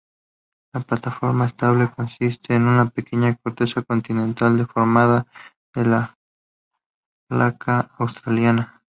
La plataforma estable consiste en una pequeña corteza continental deformada de la placa australiana.